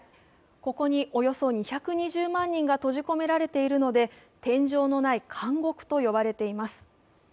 ここにおよそ２２０万人が閉じ込められているので天井のない監獄と呼ばれています。